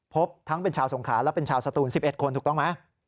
พบทั้งเป็นชาวสงขาและเป็นชาวสตูน๑๑คนถูกต้องไหม